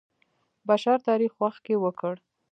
بشر تاریخ وخت کې وکړ.